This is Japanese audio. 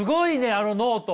あのノート。